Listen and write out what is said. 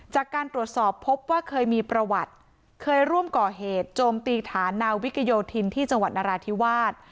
จากการตรวจสอบพบว่าเคยมีประวัติเคยร่วมก่อเหตุโจมตีฐานนาวิกโยธินที่จังหวัดนราธิวาส